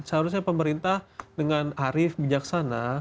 seharusnya pemerintah dengan arif bijaksana